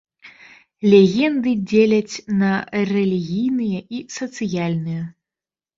Легенды дзеляць на рэлігійныя і сацыяльныя.